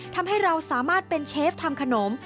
ทำให้เราสามารถเป็นเชฟทำขนม